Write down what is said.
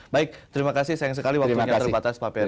baik terima kasih sayang sekali waktunya terbatas pak peri